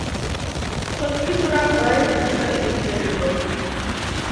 سوتتىكى سوراق دائىم ئاشكارا ئېلىپ بېرىلىدۇ.